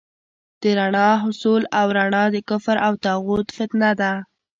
د رڼا حصول او رڼا د کفر او طاغوت فتنه ده.